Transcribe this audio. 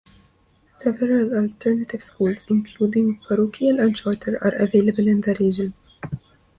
Several alternative schools, including parochial and charter, are available in the region.